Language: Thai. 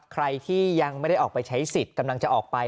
ใครที่ยังไม่ได้ออกไปใช้สิทธิ์กำลังจะออกไป